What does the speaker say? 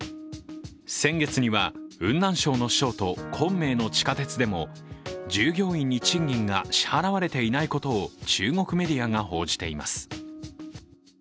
先月には雲南省の省都・昆明の地下鉄でも従業員に賃金が支払われていないことを中国メディアが報じています。